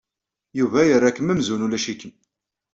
Yuba yerra-kem amzun ulac-ikem.